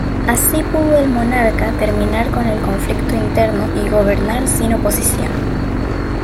Así pudo el monarca terminar con el conflicto interno y gobernar sin oposición.